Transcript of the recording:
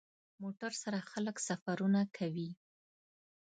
موټر سره خلک سفرونه کوي.